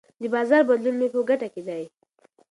د بازار بدلون مې په ګټه دی.